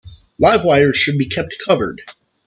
Live wires should be kept covered.